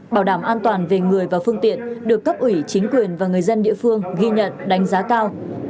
bảo đảm an toàn về người và phương tiện được cấp ủy chính quyền và người dân địa phương ghi nhận đánh giá cao